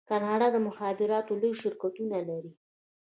کاناډا د مخابراتو لوی شرکتونه لري.